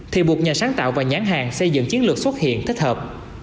thì buộc nhà sáng tạo và nhãn hàng xây dựng chiến lược xuất hiện thích hợp